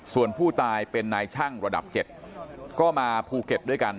ส่วนผู้ตายเป็นนายช่างระดับ๗ก็มาภูเก็ตด้วยกัน